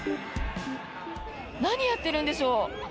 何やってるんでしょう。